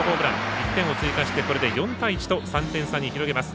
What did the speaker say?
１点を追加してこれで４対１と３点差に広げます。